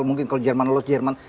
mungkin kalau jerman lolos jerman